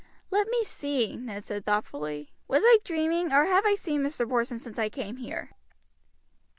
"Let me see," Ned said thoughtfully. "Was I dreaming, or have I seen Mr. Porson since I came here?"